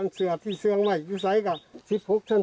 อันเสือที่เซียงใหม่อยู่ใส่กัน